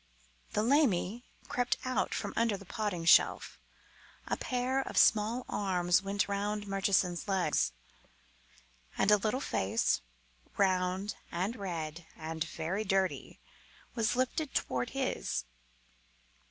The "lammie" crept out from under the potting shelf; a pair of small arms went round Murchison's legs, and a little face, round and red and very dirty, was lifted towards his.